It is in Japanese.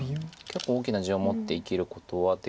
結構大きな地を持って生きることは。